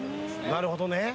なるほどね。